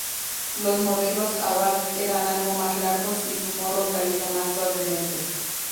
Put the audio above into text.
Los modelos Abarth eran algo más largos y su morro caía más suavemente.